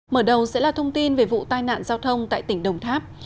mở đầu sẽ là thông tin về vụ tai nạn giao thông tại tỉnh đồng tháp